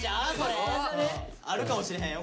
あるかもしれへんよ